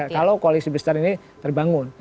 kalau koalisi besar ini terbangun